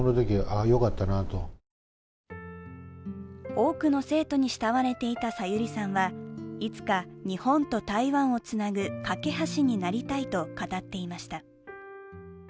多くの生徒に慕われていた小百合さんはいつか日本と台湾をつなぐ懸け橋になりたいと語っていました。